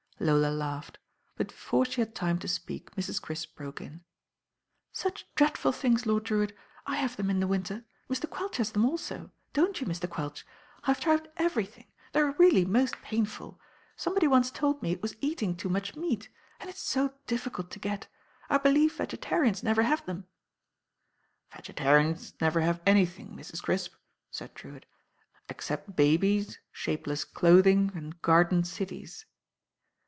Lola laughed; but before she had time to speak Mrs. Crisp broke in— "Such dreadful things. Lord Drewitt. I have them in the winter. Mr. Quelch has them ako. Don't you, Mr. Quelch? I've tried everything. They're really most painful. Somebody once told me it was eating too much meat. And it's so difficult to get. I believe vegetarians never have them." "Vegetarians never have anything, Mrs. Crisp,'* said Drewitt, "except babies, shapeless clothing, and garden cities."